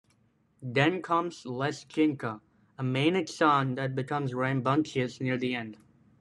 Then comes "Lesghinka", a manic song that becomes rambunctious near the end.